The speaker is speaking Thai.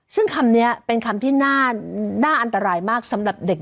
ซึ่งคำนี้เป็นคำที่น่าอันตรายมากสำหรับเด็ก